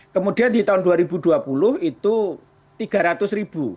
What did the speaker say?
kemudian di tahun dua ribu dua puluh itu tiga ratus ribu